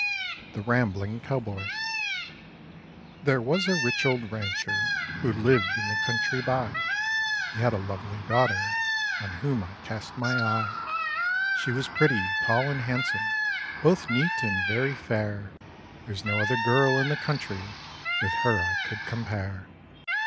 THE RAMBLING COWBOY There was a rich old rancher who lived in the country by, He had a lovely daughter on whom I cast my eye; She was pretty, tall, and handsome, both neat and very fair, There's no other girl in the country with her I could compare.